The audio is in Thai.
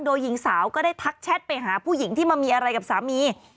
โดยหญิงสาวก็ได้ทักแชทไปหาผู้หญิงที่มามีอะไรกับสามี